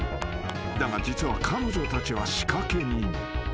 ［だが実は彼女たちは仕掛け人］